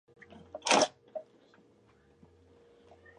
Los motivos del crimen nunca fueron revelados.